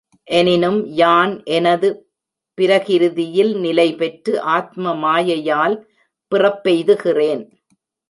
எனினும் யான் எனது பிரகிருதியில் நிலைபெற்று ஆத்ம மாயையால் பிறப்பெய்துகிறேன்.